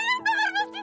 bang boleh mahan